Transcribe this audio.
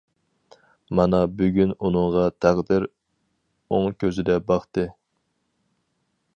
مانا بۈگۈن ئۇنىڭغا تەقدىر ئوڭ كۆزىدە باقتى.